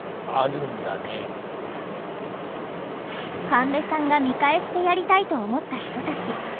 神戸さんが見返してやりたいと思った人たち。